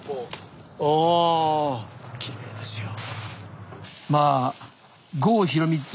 おおきれいですよ。